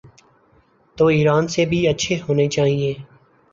تو ایران سے بھی اچھے ہونے چائیں۔